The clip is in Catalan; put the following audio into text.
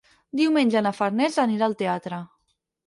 Diumenge na Farners anirà al teatre.